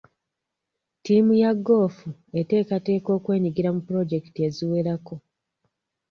Ttiimu ya goofu eteekateeka okwenyigira mu pulojekiti eziwerako.